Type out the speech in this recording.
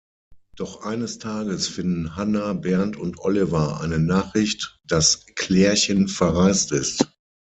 Doch eines Tages finden Hanna, Bernd und Oliver eine Nachricht, dass „Klärchen“ verreist ist.